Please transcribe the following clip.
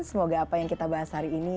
semoga apa yang kita bahas hari ini